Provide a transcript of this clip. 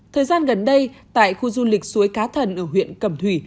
thời gian gần đây tại khu du lịch suối cá thần ở huyện cầm thủy